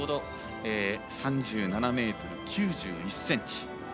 ３７ｍ９１ｃｍ。